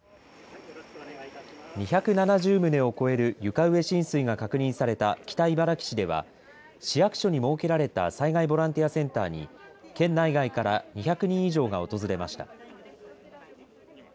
２７０棟を超える床上浸水が確認された北茨城市では市役所に設けられた災害ボランティアセンターに県内外から２００人以上が訪れました。